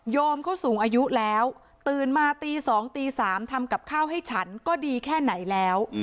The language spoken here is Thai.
เขาสูงอายุแล้วตื่นมาตี๒ตี๓ทำกับข้าวให้ฉันก็ดีแค่ไหนแล้ว